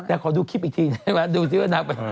เดี๋ยวขอดูคลิปอีกทีดูสิว่านางไป